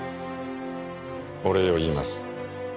お礼を言います。